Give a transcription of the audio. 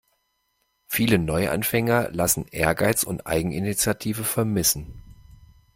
Viele Neuanfänger lassen Ehrgeiz und Eigeninitiative vermissen.